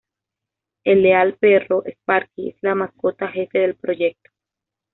El leal perro, Sparky, es la Mascota Jefe del proyecto.